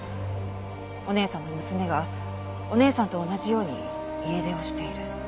お姉さんの娘がお姉さんと同じように家出をしている。